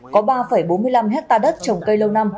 có ba bốn mươi năm hectare đất trồng cây lâu năm